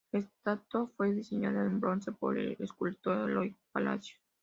La estatua fue diseñada en bronce por el escultor Eloy Palacios.